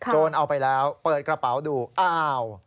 เอาไปแล้วเปิดกระเป๋าดูอ้าว